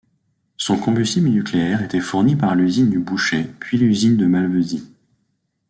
Son combustible nucléaire était fourni par l'usine du Bouchet puis l'usine de Malvesi.